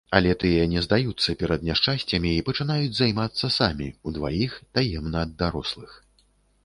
Але тыя не здаюцца перад няшчасцямі і пачынаюць займацца самі, удваіх, таемна ад дарослых.